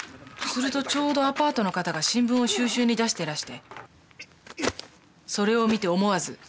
するとちょうどアパートの方が新聞を収集に出してらしてそれを見て思わず。